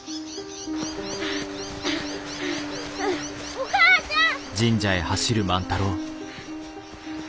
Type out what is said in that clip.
お母ちゃん！